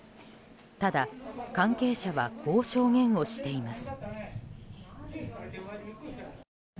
ただ、関係者はこう証言をしています。